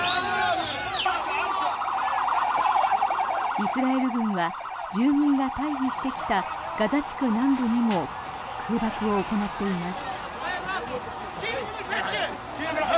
イスラエル軍は住民が退避してきたガザ地区南部にも空爆を行っています。